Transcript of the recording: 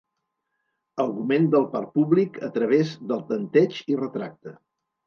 Augment del parc públic a través del tanteig i retracte.